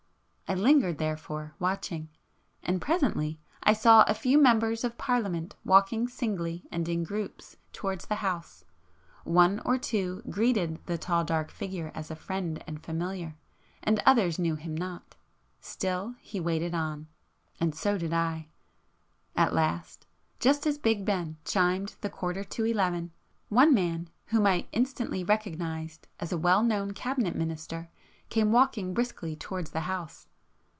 I lingered therefore—watching;—and presently I saw a few members of Parliament walking singly and in groups towards the House,—one or two greeted the tall dark Figure as a friend and familiar, and others knew him not. [p 487] Still he waited on, ... and so did I. At last, just as Big Ben chimed the quarter to eleven, one man whom I instantly recognised as a well known Cabinet minister, came walking briskly towards the House